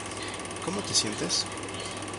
¿Cómo te sientes?